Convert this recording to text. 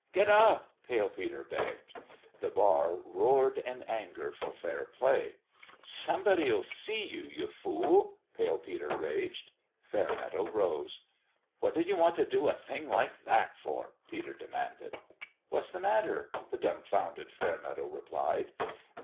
" Get up !" Pale Peter begged. The bar roared in anger for fair play " Somebody'll see you, you fool !" Pale Peter raged. A MIRACLE at PALE PETER'S 303 Fairmeadow rose. " What did you want to do a thing like that for?" Peter demanded. 44 What's the matter ?" the dumbfounded Fair meadow replied.